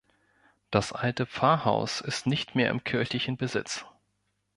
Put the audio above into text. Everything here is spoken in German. Das alte Pfarrhaus ist nicht mehr im kirchlichen Besitz.